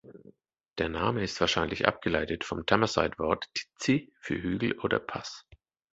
Der Name ist wahrscheinlich abgeleitet vom Tamazight-Wort "tizi" für „Hügel“ oder „Pass“.